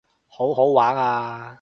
好好玩啊